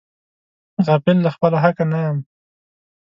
غافل له خپله حقه نه یم.